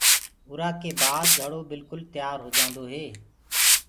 اُرو ڪي بآد گھڙو بِلڪُل تيآر هوجآندو هي۔